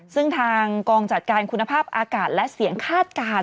ซึ่งทางกองจัดการคุณภาพอากาศและเสียงคาดการณ์